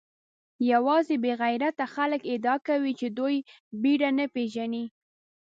یوازې بې غیرته خلک ادعا کوي چې دوی بېره نه پېژني.